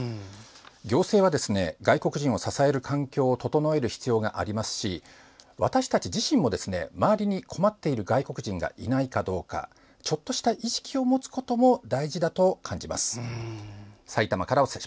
行政は外国人を支える環境を整える必要がありますし私たち自身も周りに困っている外国人がいないかどうかちょっとした意識を持つことも大事だと感じます。